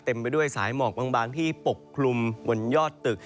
ไปด้วยสายหมอกบางที่ปกคลุมบนยอดตึก